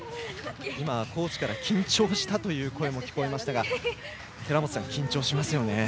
コーチから緊張した？という声も聞こえましたが寺本さん、緊張しますよね。